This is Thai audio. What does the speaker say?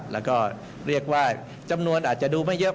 แล้วก็เรียกว่าจำนวนอาจจะดูไม่เยอะ